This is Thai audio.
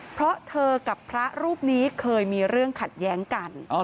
เพราะเธอกับพระรูปนี้เคยมีเรื่องขัดแย้งกัน